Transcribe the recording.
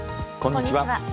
こんにちは。